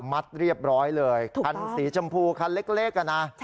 คันสีชมพูคันเล็ก